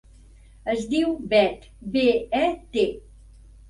Es diu Bet: be, e, te.